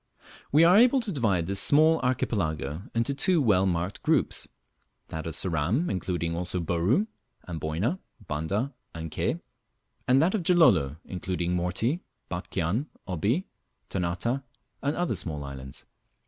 We are able to divide this small archipelago into two well marked groups that of Ceram, including also Bouru. Amboyna, Banda, and Ke; and that of Gilolo, including Morty, Batchian, Obi, Ternate, and other small islands.